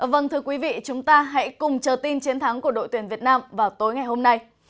vâng thưa quý vị chúng ta hãy cùng chờ tin chiến thắng của đội tuyển việt nam vào tối ngày hôm nay